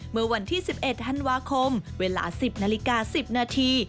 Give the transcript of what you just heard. เมื่อวันที่๑๑ธันวาคมเวลา๑๐นาฬิกา๑๐นาที